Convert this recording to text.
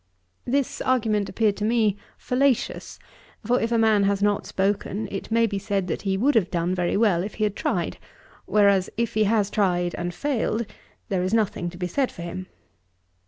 This argument appeared to me fallacious; for if a man has not spoken, it may be said that he would have done very well if he had tried; whereas, if he has tried and failed, there is nothing to be said for him.